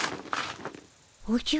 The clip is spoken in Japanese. おじゃ。